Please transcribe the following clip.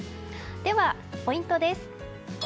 では、ポイントです。